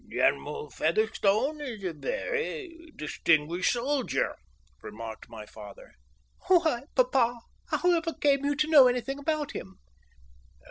"General Heatherstone is a very distinguished soldier," remarked my father. "Why, papa, however came you to know anything about him?"